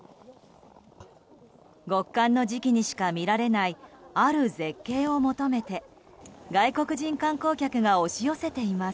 極寒の時期にしか見られないある絶景を求めて外国人観光客が押し寄せています。